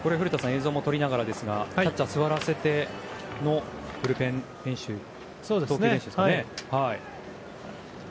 映像も撮りながらですがキャッチャーを座らせてのブルペン練習、投球練習ですね。